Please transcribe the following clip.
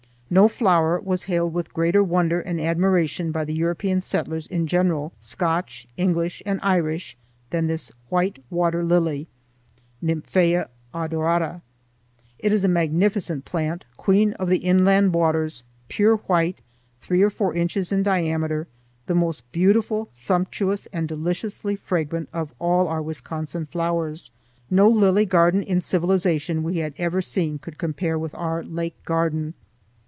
No flower was hailed with greater wonder and admiration by the European settlers in general—Scotch, English, and Irish—than this white water lily (Nymphæa odorata). It is a magnificent plant, queen of the inland waters, pure white, three or four inches in diameter, the most beautiful, sumptuous, and deliciously fragrant of all our Wisconsin flowers. No lily garden in civilization we had ever seen could compare with our lake garden.